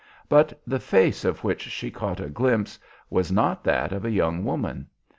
But the face of which she caught a glimpse was not that of a young woman.